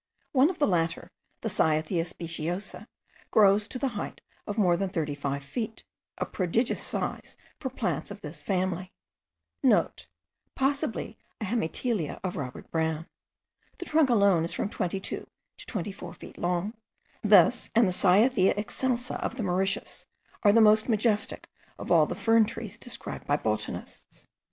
One of the latter, the Cyathea speciosa,* grows to the height of more than thirty five feet, a prodigious size for plants of this family. (* Possibly a hemitelia of Robert Brown. The trunk alone is from 22 to 24 feet long. This and the Cyathea excelsa of the Mauritius, are the most majestic of all the fern trees described by botanists.